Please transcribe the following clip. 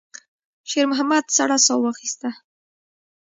شېرمحمد سړه ساه واخيسته.